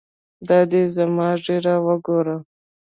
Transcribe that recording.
دا دى زما ږيره وګوره.